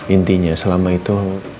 intinya selama itu